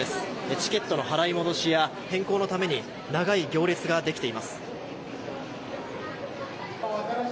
チケットの払い戻しや変更のために長い行列ができています。